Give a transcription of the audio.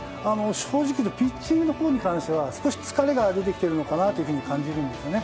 正直言うとピッチングのほうに関しては少し疲れが出てきているかなと感じるんですね。